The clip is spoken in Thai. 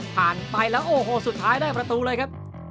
ผ่านไปแล้วโอ้โหสุดท้ายได้ประตูเลยครับ